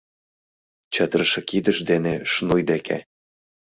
Чытырыше кидышт дене шнуй деке